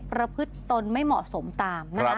ประพฤติตนไม่เหมาะสมตามนะคะ